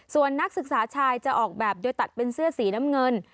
ส่วนนักศึกษาชายจะออกแบบโดยตัดเป็นเสื้อสีน้ำเงิน